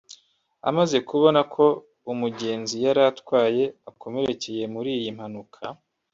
Amaze kubona ko umugenzi yari atwaye akomerekeye muri iyi mpanuka